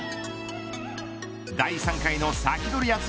第３回のサキドリ！